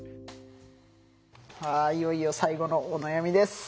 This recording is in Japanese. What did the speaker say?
いよいよ最後のお悩みです。